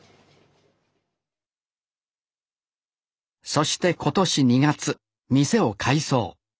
そして今年２月店を改装。